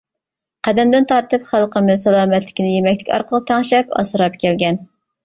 قەدىمدىن تارتىپ خەلقىمىز سالامەتلىكىنى يېمەكلىك ئارقىلىق تەڭشەپ، ئاسراپ كەلگەن.